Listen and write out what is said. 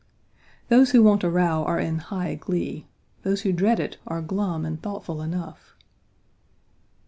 Those who want a row are in high glee. Those who dread it are glum and thoughtful enough.